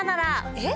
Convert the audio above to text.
えっ？